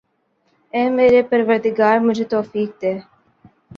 اے میرے پروردگا مجھے توفیق دے